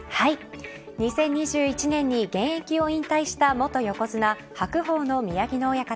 ２０２１年に現役を引退した元横綱・白鵬の宮城野親方。